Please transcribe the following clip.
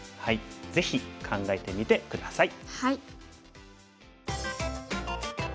ぜひ考えてみて下さい。